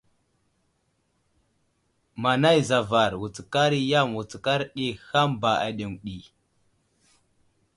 Manay zavar, wutskar i yam, wutskar ɗi, hàm ba aɗeŋw ɗi.